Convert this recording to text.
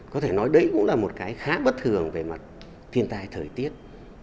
có thể nói đấy cũng là một cái khá bất thường về mặt thiên tai thời tiết